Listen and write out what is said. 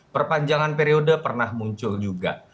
perpanjangan periode pernah muncul juga